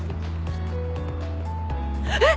えっ！